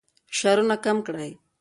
فشارونه کم کړئ.